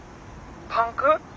パンク？